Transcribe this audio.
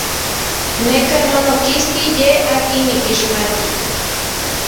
Neka non okiski ye akin nikixmati.